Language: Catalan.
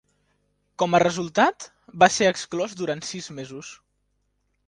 Com a resultat, va ser exclòs durant sis mesos.